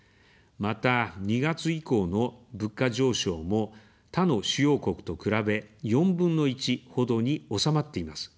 また、２月以降の物価上昇も他の主要国と比べ４分の１ほどに収まっています。